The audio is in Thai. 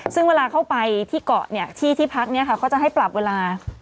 ซึ่งเวลาเข้าไปที่เกาะเนี่ยที่ที่พักเขาจะให้ปรับเวลา